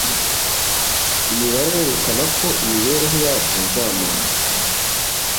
Imibare yerekana ko imibereho yacu yazamutse